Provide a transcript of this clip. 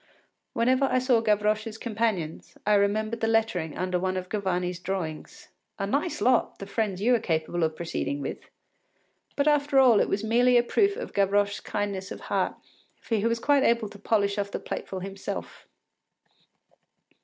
Whenever I saw Gavroche’s companions, I remembered the lettering under one of Gavarni’s drawings: “A nice lot, the friends you are capable of proceeding with!” But after all it was merely a proof of Gavroche’s kindness of heart, for he was quite able to polish off the plateful himself.